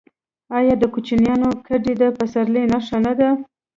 آیا د کوچیانو کډې د پسرلي نښه نه ده؟